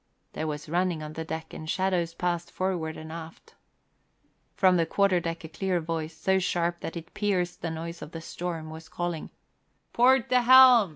There was running on the deck and shadows passed forward and aft. From the quarter deck a clear voice, so sharp that it pierced the noise of the storm, was calling, "Port the helm!